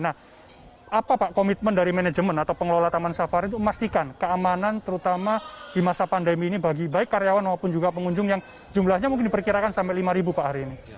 nah apa pak komitmen dari manajemen atau pengelola taman safari untuk memastikan keamanan terutama di masa pandemi ini bagi baik karyawan maupun juga pengunjung yang jumlahnya mungkin diperkirakan sampai lima pak hari ini